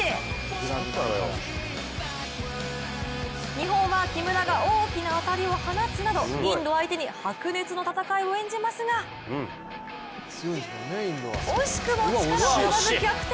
日本は、木村が大きな当たりを放つなどインド相手に白熱の戦いを演じますが惜しくも力及ばず逆転